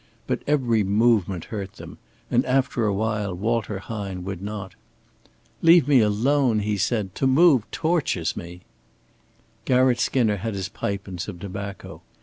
But every movement hurt them, and after a while Walter Hine would not. "Leave me alone," he said. "To move tortures me!" Garratt Skinner had his pipe and some tobacco.